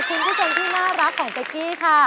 คุณผู้ชมที่น่ารักของเป๊กกี้ค่ะ